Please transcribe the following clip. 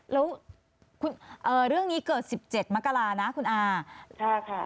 แล้วคุณเอ่อเรื่องนี้เกิดสิบเจ็ดมะกะลานะคุณอาค่ะค่ะ